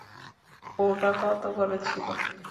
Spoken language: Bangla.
ওটা কত বড় ছিল?